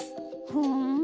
ふん。